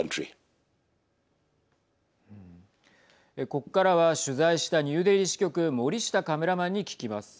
ここからは取材したニューデリー支局森下カメラマンに聞きます。